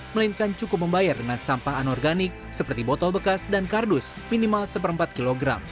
melainkan cukup membayar dengan sampah anorganik seperti botol bekas dan kardus minimal satu empat kg